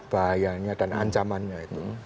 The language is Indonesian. bahayanya dan ancamannya